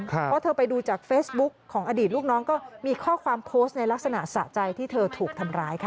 เพราะเธอไปดูจากเฟซบุ๊กของอดีตลูกน้องก็มีข้อความโพสต์ในลักษณะสะใจที่เธอถูกทำร้ายค่ะ